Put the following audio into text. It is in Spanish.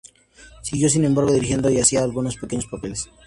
Siguió, sin embargo, dirigiendo y haciendo algunos pequeños papeles.